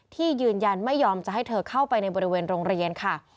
ที่ยืนยันไม่ยอมจะให้เธอเข้าไปในบริเวณโรงเรียนค่ะ